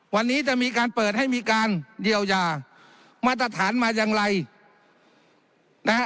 วันนี้จะมีการเปิดให้มีการเยียวยามาตรฐานมาอย่างไรนะฮะ